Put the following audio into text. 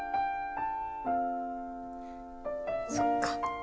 そっか。